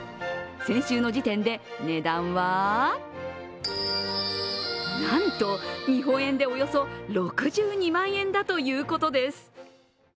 先週の時点で値段はなんと日本円でおよそ６２万円だということです。